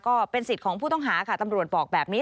ก็เป็นสิทธิ์ของผู้ต้องหาค่ะตำรวจบอกแบบนี้